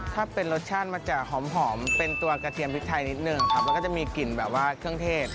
ถ้าเป็นรสชาติมันจะหอมเป็นตัวกระเทียมพริกไทยนิดนึงครับแล้วก็จะมีกลิ่นแบบว่าเครื่องเทศ